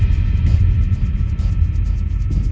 ตอนที่สุดมันกลายเป็นสิ่งที่ไม่มีความคิดว่า